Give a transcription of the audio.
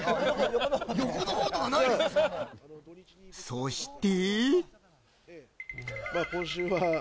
そして。